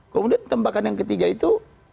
kemudian tembakan yang ketiga itu